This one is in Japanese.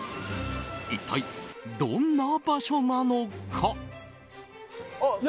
一体どんな場所なのか。